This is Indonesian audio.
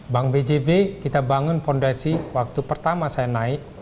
bank bjb kita bangun fondasi waktu pertama saya naik